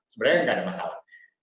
sebenarnya nggak ada masalah